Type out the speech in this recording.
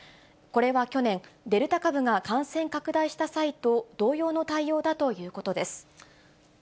これは去年、デルタ株が感染拡大した際と同様の対応だということです。